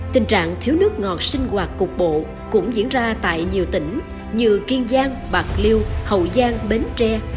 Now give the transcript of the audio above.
tình trạng thiếu nước ngọt sinh hoạt cục bộ cũng diễn ra tại nhiều tỉnh như kiên giang bạc liêu hậu giang bến tre